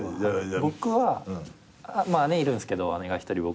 僕は姉いるんですけど姉が１人僕の１つ上で。